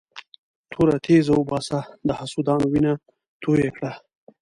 توره تېزه وباسه د حسودانو وینه توی کړه.